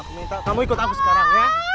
aku minta kamu ikut aku sekarang